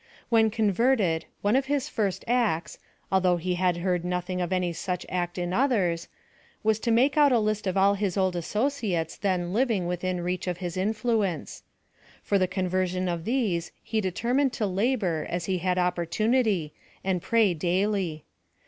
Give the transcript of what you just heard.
When converted, one of his first acts, although he had heard nothing of any such act in others, was to make out a list of all his old associates then living within reach of his influence. For the conversion of these he deter mined to labor as he had opportunity, and pray daily.